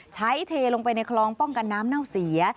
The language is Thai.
เทลงไปในคลองป้องกันน้ำเน่าเสีย